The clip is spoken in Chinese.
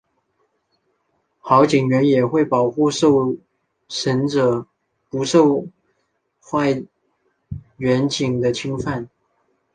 好员警也会保护受审者不受坏员警的侵犯。